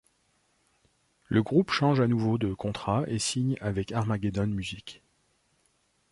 Le groupe change à nouveau de contrat et signe avec Armageddon Music.